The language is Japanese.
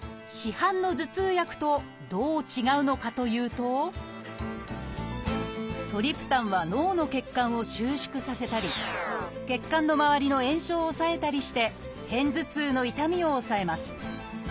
市販の頭痛薬とどう違うのかというとトリプタンは脳の血管を収縮させたり血管の回りの炎症を抑えたりして片頭痛の痛みを抑えます。